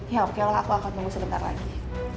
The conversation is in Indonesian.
ya okelah aku akan tunggu sebentar lagi